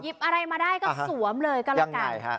หยิบอะไรมาได้ก็สวมเลยก็ละกันยังไงค่ะ